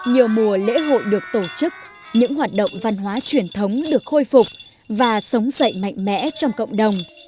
nhiều mùa lễ hội được tổ chức những hoạt động văn hóa truyền thống được khôi phục và sống dậy mạnh mẽ trong cộng đồng